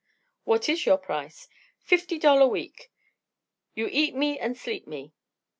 "What is your price?" "Fifty dollar week. You eat me an' sleep me."